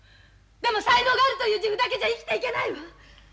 でも才能があるという自負だけじゃ生きていけないわ！